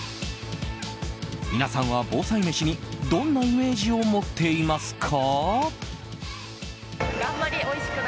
皆さんは防災メシにどんなイメージを持っていますか。